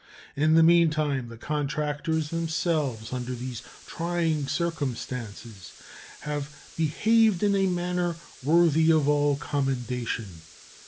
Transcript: In the meantime the contractors themselves, under these trying circumstances, have behaved in a manner worthy of all commendation.